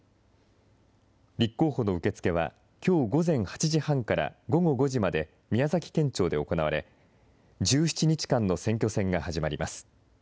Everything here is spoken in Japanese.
立候補の受け付けは、きょう午前８時半から午後５時まで宮崎県庁で行われ、１７日間の選挙戦が始まります。